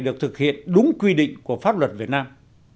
được thực hiện đúng quy định của pháp luật việt nam